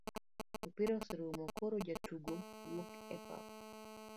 Opira oserumo koro jotugo wuok e pap